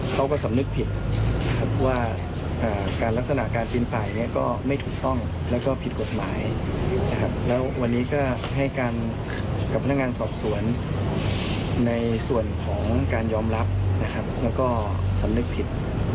กับพนักงานสอบสวนในส่วนของการยอมรับแล้วก็สำนึกผิด